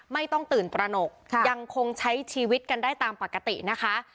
ไม่ต้องตื่นตระหนกยังคงใช้ชีวิตกันได้ตามปกตินะคะ